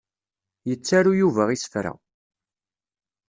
Yettaru Yuba isefra.